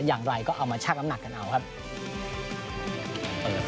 อย่างไรก็เอามาชักน้ำหนักกันเอาครับ